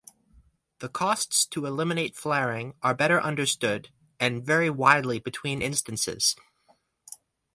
The costs to eliminate flaring are better understood and vary widely between instances.